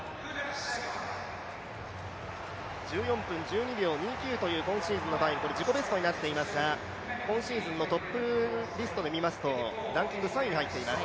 １４分１２秒９９という好タイム、自己ベストになっていますが、今シーズンのトップリストで見ますと、ランキング３位に入っています。